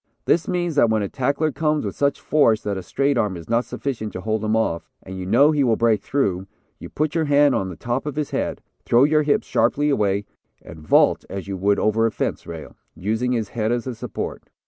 This means that when a tackler comes with such force that a straight arm is not sufficient to hold him off, and you know he will break through, you put your hand on the top of his head, throw your hips sharply away, and vault as you would over a fence rail, using his head as a support.